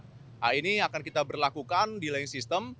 nah ini akan kita berlakukan delaying system